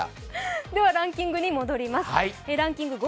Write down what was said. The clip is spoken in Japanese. ではランキングに戻ります。